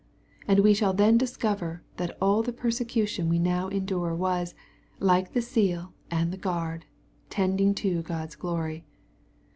And we shall then discover that all the persecution we now endure was, like the seal and the guard, tending to God's glory.